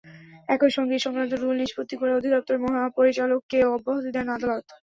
একই সঙ্গে এ-সংক্রান্ত রুল নিষ্পত্তি করে অধিদপ্তরের মহাপরিচালককে অব্যাহতি দেন আদালত।